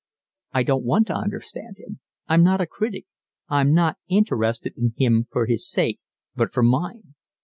"I don't want to understand him, I'm not a critic. I'm not interested in him for his sake but for mine."